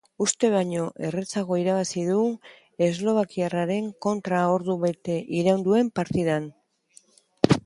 Uste baino errazago irabazi du eslovakiarraren kontra ordu bete iraun duen partidan.